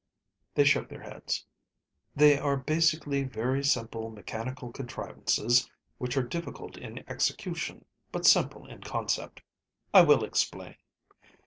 They shook their heads. "They are basically very simple mechanical contrivances which are difficult in execution, but simple in concept. I will explain.